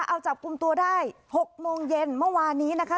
เอาจับกลุ่มตัวได้๖โมงเย็นเมื่อวานนี้นะคะ